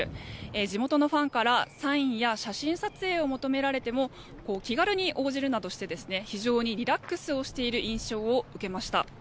地元のファンからサインや写真撮影を求められても気軽に応じるなどして非常にリラックスをしている印象を受けました。